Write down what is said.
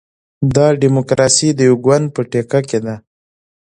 دا ډیموکراسي د یوه ګوند په ټیکه کې ده.